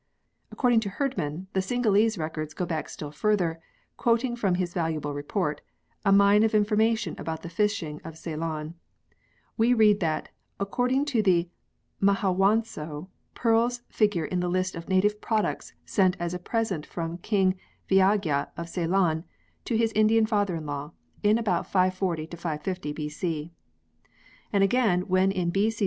According to Herdman the Singhalese records go back still further, and quoting from his valuable report a mine of information about the fishing of Ceylon we read that "According to the 'Mahawanso,' pearls figure in the list of native products sent as a present from King Vigaya of Ceylon to his Indian father in law, in about 540 550 B.C." ; and again when in B.C.